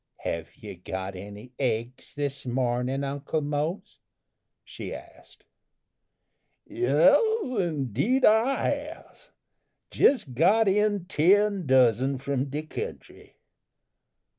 "Have you got any eggs this morning, Uncle Mose?" she asked. "Yes, indeed I has. Jes got in ten dozen from de kentry."